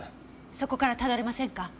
そこからたどれませんか？